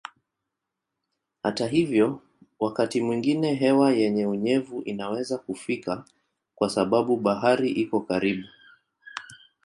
Hata hivyo wakati mwingine hewa yenye unyevu inaweza kufika kwa sababu bahari iko karibu.